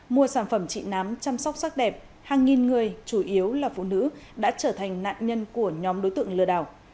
mua sản phẩm trị nám chăm sóc sắc đẹp hàng nghìn người chủ yếu là phụ nữ đã trở thành nạn nhân của nhóm đối tượng lừa đảo